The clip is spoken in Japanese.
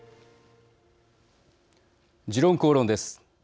「時論公論」です。